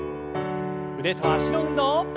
腕と脚の運動。